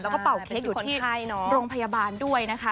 แล้วก็เป่าเค้กอยู่ที่โรงพยาบาลด้วยนะคะ